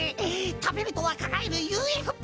たべるとわかがえるＵＦＰ！